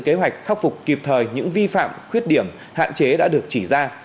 kế hoạch khắc phục kịp thời những vi phạm khuyết điểm hạn chế đã được chỉ ra